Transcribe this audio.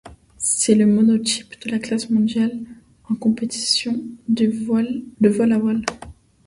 C'est le monotype de la classe mondiale en compétition de vol à voile.